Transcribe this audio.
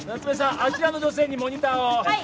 あちらの女性にモニターをはい！